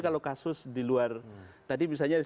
kalau kasus di luar tadi misalnya